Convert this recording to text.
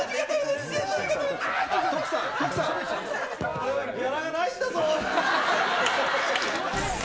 俺はギャラがないんだぞ。